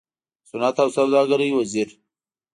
د صنعت او سوداګرۍ وزير